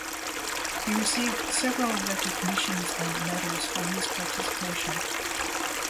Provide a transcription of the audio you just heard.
He received several recognitions and medals for his participation.